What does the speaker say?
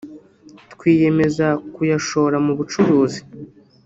twiyemeza kuyashora mu bucuruzi